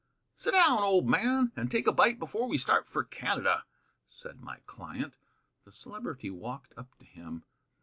"Sit down, old man, and take a bite before we start for Canada," said my client. The Celebrity walked up to him.